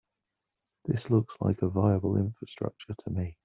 This looks like a viable infrastructure to me.